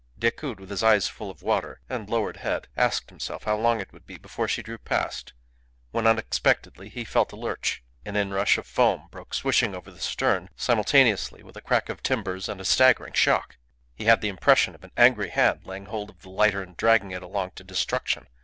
Decoud, with his eyes full of water, and lowered head, asked himself how long it would be before she drew past, when unexpectedly he felt a lurch. An inrush of foam broke swishing over the stern, simultaneously with a crack of timbers and a staggering shock. He had the impression of an angry hand laying hold of the lighter and dragging it along to destruction.